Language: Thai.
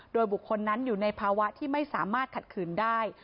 โดยบุคคลนั้นอยู่ในภาวะที่ไม่สามารถขัดขืนได้